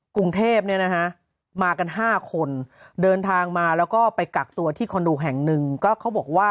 กรุงเทพเนี่ยนะฮะมากัน๕คนเดินทางมาแล้วก็ไปกักตัวที่คอนโดแห่งหนึ่งก็เขาบอกว่า